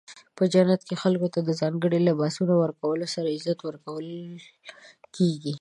په جنت کې خلکو ته د ځانګړو لباسونو ورکولو سره عزت ورکول کیږي.